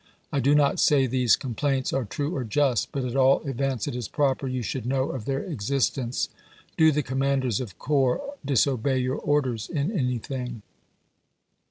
I do not say these complaints are true or just, but at all events it is proper you should know of their existence. Do the commanders of corps disobey your orders in anything!